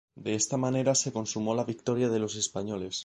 De esta manera se consumó la victoria de los españoles.